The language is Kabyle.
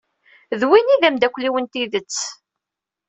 D win i d amdakel-iw n tidet.